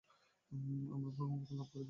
আমরা ভগবানকে লাভ করিতে চলিয়াছি।